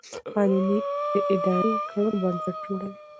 قانون د اداري کړنو بنسټ جوړوي.